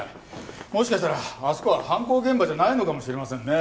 もしかしたらあそこは犯行現場じゃないのかもしれませんね。